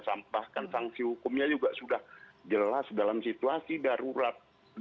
sampahkan sanksi hukumnya juga sudah jelas dalam situasi darurat